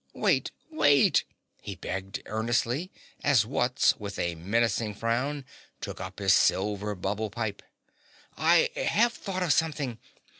"Wait! Wait!" he begged earnestly as Wutz with a menacing frown took up his silver bubble pipe. "I HAVE thought of something.